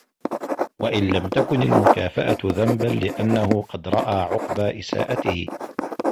وَإِنْ لَمْ تَكُنْ الْمُكَافَأَةُ ذَنْبًا لِأَنَّهُ قَدْ رَأَى عُقْبَى إسَاءَتِهِ